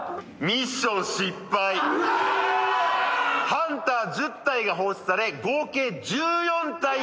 ハンター１０体が放出され合計１４体となった。